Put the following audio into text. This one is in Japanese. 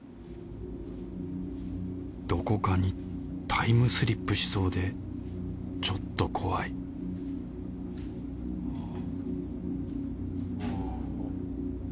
どこかにタイムスリップしそうでちょっと怖いわぁ。